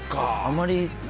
あんまり。